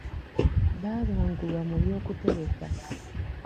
Baabangulwa mu by'okutereka.